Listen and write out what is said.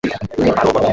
তুমি পারোও বটে!